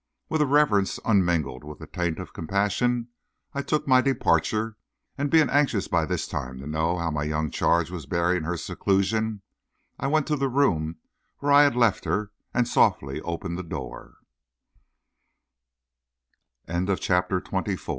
With a reverence unmingled with the taint of compassion, I took my departure, and being anxious by this time to know how my young charge was bearing her seclusion, I went to the room where I had left her, and softly opened the door. CHAPTER XXV. MARK FELT.